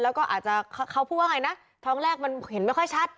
แล้วก็อาจจะเขาพูดว่าไงนะท้องแรกมันเห็นไม่ค่อยชัด